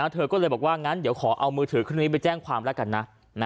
เธอก็เลยบอกว่างั้นเดี๋ยวขอเอามือถือเครื่องนี้ไปแจ้งความแล้วกันนะ